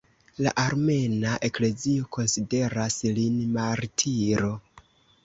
La Armena Eklezio konsideras lin martiro.